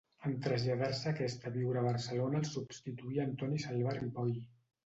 En traslladar-se aquest a viure a Barcelona el substituí Antoni Salvà Ripoll.